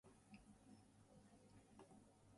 Mahanoy City has not fielded another minor league team.